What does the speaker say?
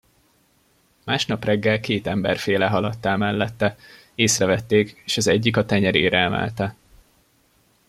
Másnap reggel két emberféle haladt el mellette; észrevették, s az egyik a tenyerére emelte.